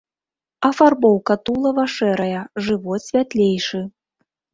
Афарбоўка тулава шэрая, жывот святлейшы.